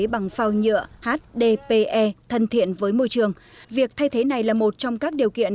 bằng phao nhựa hdpe thân thiện với môi trường việc thay thế này là một trong các điều kiện